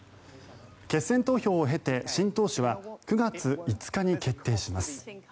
決選投票を経て新党首は９月５日に決定します。